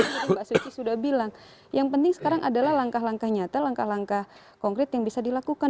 tadi mbak suci sudah bilang yang penting sekarang adalah langkah langkah nyata langkah langkah konkret yang bisa dilakukan